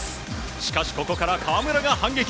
しかしここから河村が反撃。